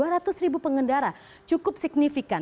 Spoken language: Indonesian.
dua ratus ribu pengendara cukup signifikan